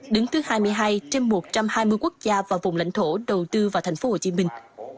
đứng thứ hai mươi hai trên một trăm hai mươi quốc gia và vùng lãnh thổ đầu tư vào thành phố hồ chí minh